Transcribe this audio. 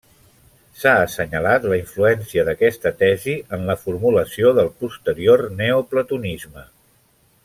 S'ha assenyalat la influència d'aquesta tesi en la formulació del posterior neoplatonisme.